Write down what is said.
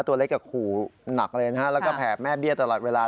ตัวเล็กกับขู่หนักเลยนะฮะแล้วก็แผ่แม่เบี้ยตลอดเวลา